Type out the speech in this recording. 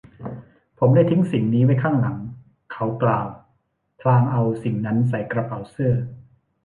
ผมได้ทิ้งสิ่งนี้ไว้ข้างหลัง เขากล่าวพลางเอาสิ่งนั้นใส่กระเป๋าเสื้อ